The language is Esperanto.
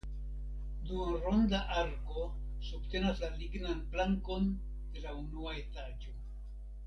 Duonronda arko subtenas la lignan plankon de la unua etaĝo.